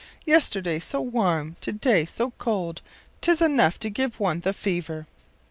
yesterday so warm, to day so cold. ‘Tis enough to give one the fever.